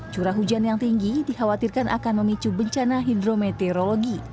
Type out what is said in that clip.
curah hujan yang tinggi dikhawatirkan akan memicu bencana hidrometeorologi